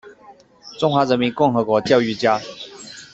中华人民共和国教育家。